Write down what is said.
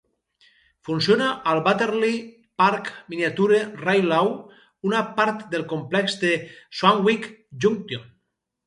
Funciona al Butterley Park Miniature Railway, una part del complex de Swanwick Junction.